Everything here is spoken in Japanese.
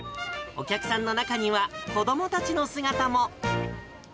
お客さんの中には、子どもたちの姿も。